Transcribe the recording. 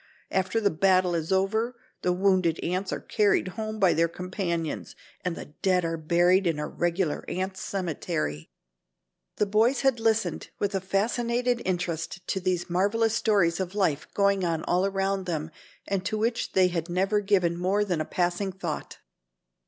After the battle is over the wounded ants are carried home by their companions and the dead are buried in a regular ants' cemetery." The boys had listened with a fascinated interest to these marvelous stories of life going on all around them and to which they had never given more than a passing thought.